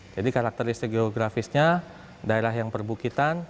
jadi karakteristik geografisnya daerah yang perbukitan